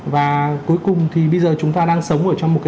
và cuối cùng thì bây giờ chúng ta đang sống ở trong một cái